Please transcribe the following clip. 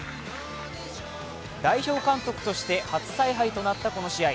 代表監督して初采配となったこの試合。